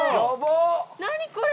何これ！？